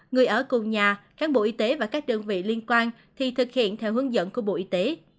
người ở cùng nhà cán bộ y tế và các đơn vị liên quan thì thực hiện theo hướng dẫn của bộ y tế